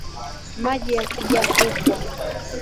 Maji yakija hupwa